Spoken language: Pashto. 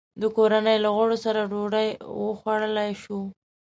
د کورنۍ له غړو سره ډوډۍ وخوړلای شو.